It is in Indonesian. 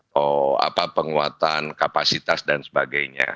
atau apa penguatan kapasitas dan sebagainya